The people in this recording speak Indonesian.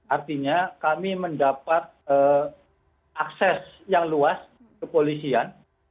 artinya kami mendapat akses yang luas ke polisian